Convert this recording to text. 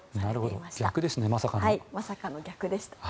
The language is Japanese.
まさかの逆でした。